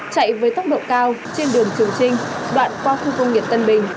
chạy với tốc độ cao trên đường trường trinh đoạn qua khu công nghiệp tân bình